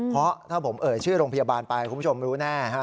เพราะถ้าผมเอ่ยชื่อโรงพยาบาลไปคุณผู้ชมรู้แน่